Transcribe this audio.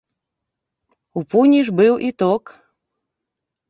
У пуні ж быў і ток.